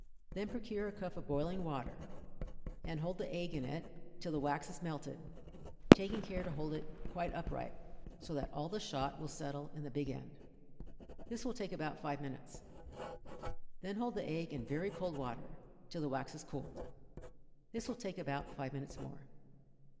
Then procure a cup of boiling water, and hold the egg in it till the wax is melted, taking care to hold it quite upright, so that all the shot will settle in the big end. This will take about five minutes. Then hold the egg in very cold water till the wax has cooled. This will take about five minutes more.